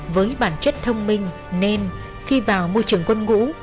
với bản chất thông minh nên khi vào môi trường quân ngũ